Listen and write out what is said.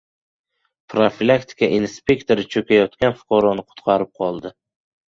Profilaktika inspektori cho‘kayotgan fuqaroni qutqarib qoldi